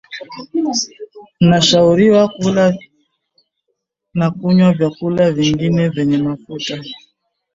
unashauriwa kula na vyakula vingine vyenye mafuta